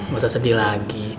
gak usah sedih lagi